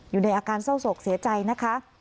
อยู่ในอาการเศร้าโศกเสียใจนะคะ